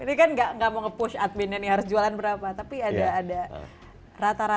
ini kan gak mau nge push adminnya nih harus jualan berapa tapi ada ada rata rata